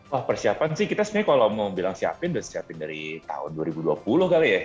wah persiapan sih kita sebenarnya kalau mau bilang siapin udah siapin dari tahun dua ribu dua puluh kali ya